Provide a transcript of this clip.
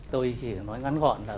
tôi chỉ nói ngắn gọn là